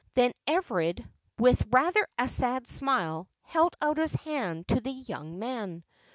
Then Everard, with rather a sad smile, held out his hand to the young man.